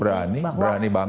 berani berani berani banget